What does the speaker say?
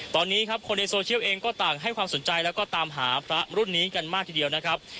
ตอนนี้ครับคนในโซเชียลเองก็ต่างให้ความสนใจแล้วก็ตามหาพระรุ่นนี้กันมากทีเดียวนะครับ